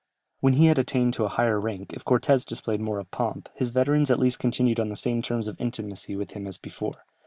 When he had attained to a higher rank, if Cortès displayed more of pomp, his veterans at least continued on the same terms of intimacy with him as before.